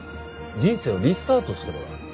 人生をリスタートしてもらう。